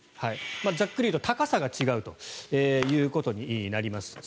ざっくり言うと、高さが違うということになります。